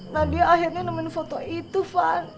nadia akhirnya nemenin foto itu fany